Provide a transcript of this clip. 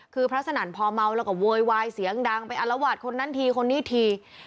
คือพระสนั่นพอเมาแล้วก็โวยวายเสียงดังไปอารวาสคนนั้นทีคนนี้ที